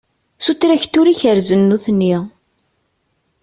S utraktur i kerrzen nutni.